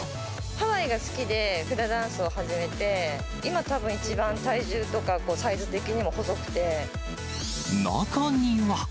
ハワイが好きで、フラダンスを始めて、今たぶん、中には。